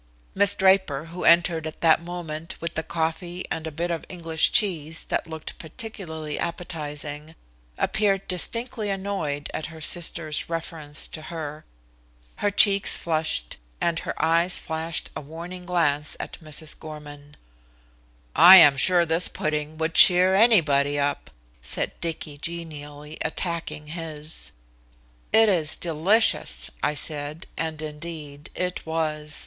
Miss Draper who entered at that moment with the coffee and a bit of English cheese that looked particularly appetizing, appeared distinctly annoyed at her sister's reference to her. Her cheeks flushed, and her eyes flashed a warning glance at Mrs. Gorman. "I am sure this pudding would cheer anybody up," said Dicky genially, attacking his. "It is delicious," I said, and, indeed, it was.